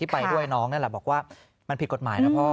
ไปด้วยน้องนั่นแหละบอกว่ามันผิดกฎหมายนะพ่อ